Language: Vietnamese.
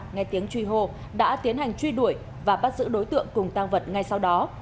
ngay tiếng truy hô đã tiến hành truy đuổi và bắt giữ đối tượng cùng tăng vật ngay sau đó